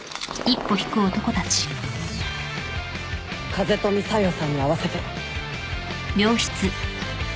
風富小夜さんに会わせて。